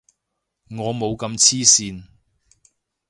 我冇咁黐線